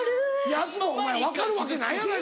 やす子分かるわけないやないか。